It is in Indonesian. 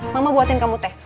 mama buatin kamu teh